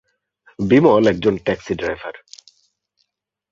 বিমল একজন taxi driver.